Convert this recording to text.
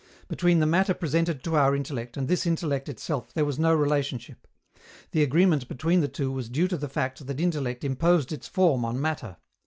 Between the matter presented to our intellect and this intellect itself there was no relationship. The agreement between the two was due to the fact that intellect imposed its form on matter.